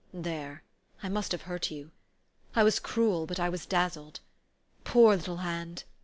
<' There, I must have hurt you. I was cruel ; but I was dazzled. Poor little hand